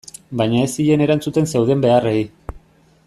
Baina ez zien erantzuten zeuden beharrei.